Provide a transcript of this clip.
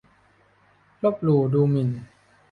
ลบหลู่ดูหมิ่น